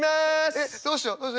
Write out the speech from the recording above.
「えっどうしよう？」。